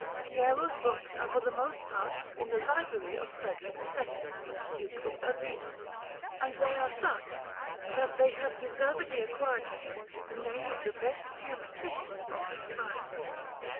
Piero's books are for the most part in the library of Frederick II, Duke of Urbino, and they are such that they have deservedly acquired for him the name of the best geometrician of his time.